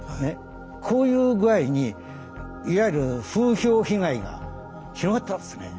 こういう具合にいわゆる風評被害が広がったんですね。